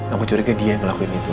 aku curiginya dia yang ngelakuin itu